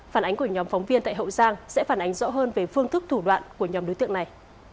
phản ánh của nhóm phóng viên tại hậu giang sẽ phản ánh rõ hơn về phương thức thủ đoạn của nhóm đối tượng này